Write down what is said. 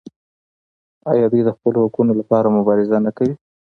آیا دوی د خپلو حقونو لپاره مبارزه نه کوي؟